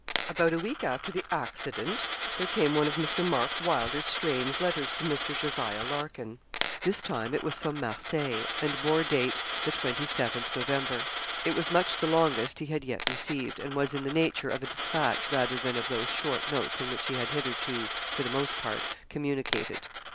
About a week after the 'accident' there came one of Mr. Mark Wylder's strange letters to Mr. Jos. Larkin. This time it was from Marseilles, and bore date the 27th November. It was much the longest he had yet received, and was in the nature of a despatch, rather than of those short notes in which he had hitherto, for the most part, communicated.